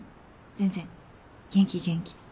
全然元気元気。